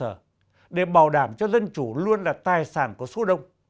trung ương đến cơ sở để bảo đảm cho dân chủ luôn là tài sản của số đông